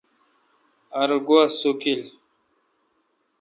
ار گوا سوکیل۔